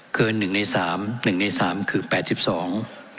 หนึ่งในสามหนึ่งในสามคือแปดสิบสอง